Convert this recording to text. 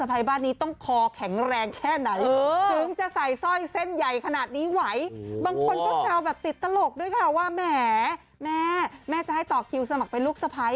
ตอนนี้กันแบบเล่นทั้งหมดนี้หลักล้านค่ะ